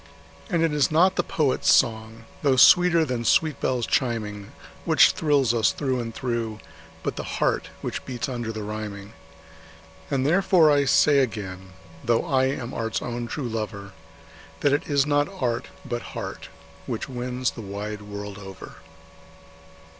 And it is not the poet's song, though sweeter than sweet bells chiming, Which thrills us through and through, but the heart which beats under the rhyming. And therefore I say again, though I am art's own true lover, That it is not art, but heart, which wins the wide world over.